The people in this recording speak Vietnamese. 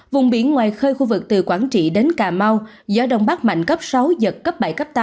vùng biển ngoài khơi khu vực từ quảng trị đến cà mau gió đông bắc mạnh cấp sáu giật cấp bảy cấp tám